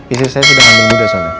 istri saya sudah ambil mudah sana